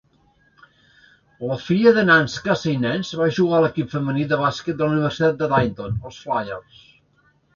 La filla de Nance, Casey Nance, va jugar a l'equip femení de bàsquet de la Universitat de Dayton, els Flyers.